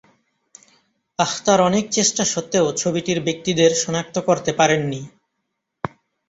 আখতার অনেক চেষ্টা সত্ত্বেও ছবিটির ব্যক্তিদের শনাক্ত করতে পারেননি।